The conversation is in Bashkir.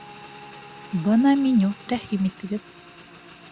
Бына меню, рәхим итегеҙ